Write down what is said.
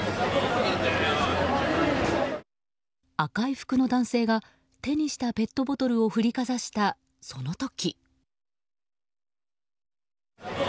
赤い服の男性が手にしたペットボトルを振りかざした、その時。